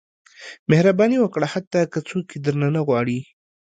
• مهرباني وکړه، حتی که څوک یې درنه نه غواړي.